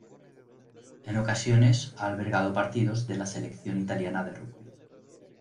En ocasiones ha albergado partidos de la Selección italiana de rugby.